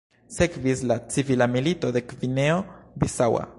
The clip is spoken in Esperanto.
Sekvis la Civila Milito de Gvineo-Bisaŭa.